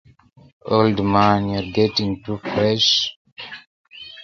Old man, you're getting too fresh.